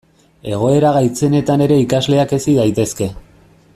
Egoera gaitzenetan ere ikasleak hezi daitezke.